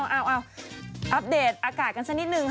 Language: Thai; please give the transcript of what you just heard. เอาอัปเดตอากาศกันสักนิดนึงค่ะ